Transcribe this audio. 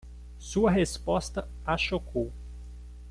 Sua resposta a chocou